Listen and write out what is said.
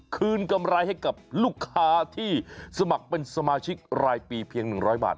กำไรให้กับลูกค้าที่สมัครเป็นสมาชิกรายปีเพียง๑๐๐บาท